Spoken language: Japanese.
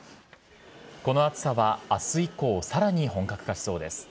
この暑さはあす以降、さらに本格化しそうです。